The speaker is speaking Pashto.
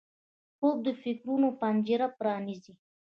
خوب د فکرونو پنجره پرانیزي